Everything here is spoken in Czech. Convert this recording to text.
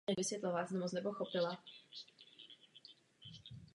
Její sláva a uznání mezi literárními kritiky od té doby jen stoupala.